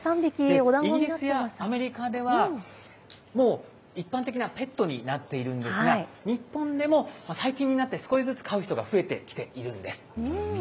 イギリスやアメリカでは、もう一般的なペットになっているんですが、日本でも最近になって少しずつ飼う人が増えてきているんです。